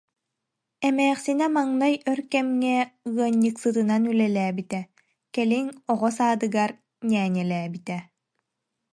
Эмээхсинэ маҥнай өр кэмҥэ ыанньыксытынан үлэлээбитэ, кэлин оҕо саадыгар ньээньэлээбитэ